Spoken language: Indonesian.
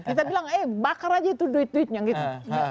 kita bilang eh bakar aja itu duit duitnya gitu